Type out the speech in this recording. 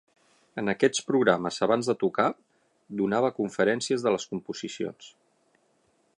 En aquests programes abans de tocar, donava conferències de les composicions.